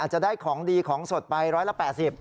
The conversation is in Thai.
จะได้ของดีของสดไปร้อยละ๘๐บาท